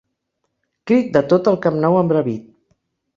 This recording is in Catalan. Crit de tot el Camp Nou embravit.